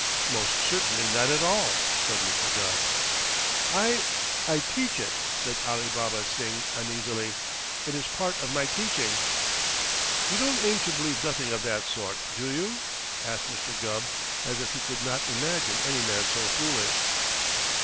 "Most certainly not at all!" said Mr. Gubb. "I I teach it," said Alibaba Singh uneasily. "It is part of my teaching." "You don't aim to believe nothing of that sort, do you?" asked Mr. Gubb as if he could not imagine any man so foolish.